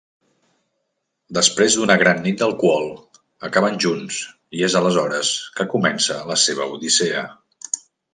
Després d'una gran nit d'alcohol, acaben junts, i és aleshores que comença la seva odissea.